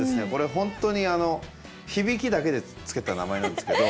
本当にあの響きだけで付けた名前なんですけど。